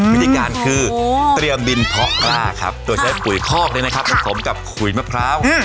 วิธีการคือเตรียมดินเพาะกล้าครับโดยใช้ปุ๋ยคอกผสมกับขุยมะพร้าว